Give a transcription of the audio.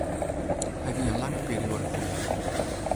Hy wie in lange perioade fuort.